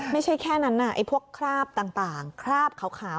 ไม่ใช่แค่นั้นไอ้พวกคราบต่างคราบขาว